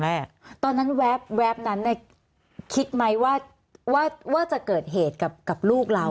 แรกตอนนั้นแว๊บแว๊บนั้นคิดไหมว่าว่าจะเกิดเหตุกับลูกเรา